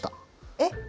えっ？